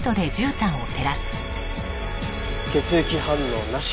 血液反応なし。